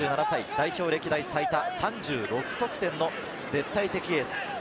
代表歴代最多３６得点の絶対的エース。